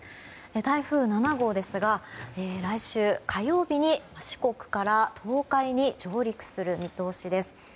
台風７号ですが来週火曜日に四国から東海に上陸する見通しです。